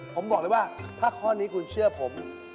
ผมบอกเลยว่าถ้าข้อนี้คุณเชื่อผม